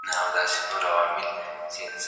بڼوال د ناروغو بوټو درملنه کوله.